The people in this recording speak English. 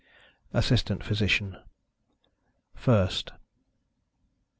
_ ASSISTANT PHYSICIAN. FIRST.